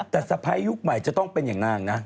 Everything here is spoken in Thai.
แต่สะพ้ายยุคใหม่จะต้องเป็นอย่างนางนะ